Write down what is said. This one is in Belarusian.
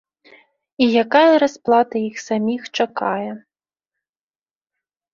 І якая расплата іх саміх чакае.